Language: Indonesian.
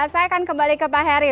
saya akan kembali ke pak heri